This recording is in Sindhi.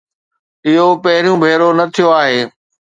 اهو پهريون ڀيرو نه ٿيو آهي.